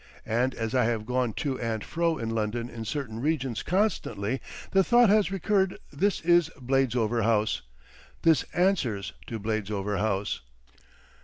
And as I have gone to and fro in London in certain regions constantly the thought has recurred this is Bladesover House, this answers to Bladesover House.